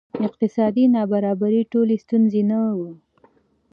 اقتصادي نابرابري ټولې ستونزې نه وه.